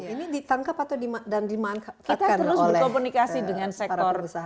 ini ditangkap atau dimanfaatkan oleh para pengusaha kita